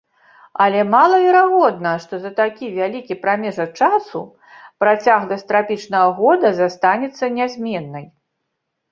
Але малаверагодна, што за такі вялікі прамежак часу працягласць трапічнага года застанецца нязменнай.